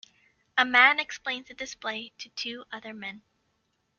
A man explains a display to two other men.